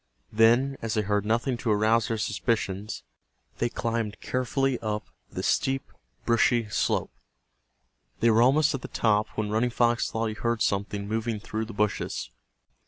Then, as they heard nothing to arouse their suspicions, they climbed carefully up the steep brushy slope. They were almost at the top when Running Fox thought he heard something moving through the bushes.